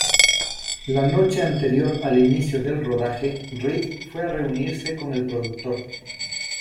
La noche anterior al inicio del rodaje, Reed fue a reunirse con el productor.